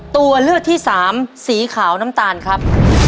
ตัวเลือกที่สามสีขาวน้ำตาลครับ